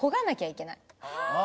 あ！